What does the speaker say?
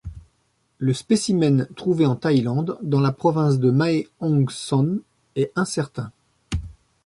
Le spécimen trouvé en Thaïlande dans la province de Mae Hong Son est incertain.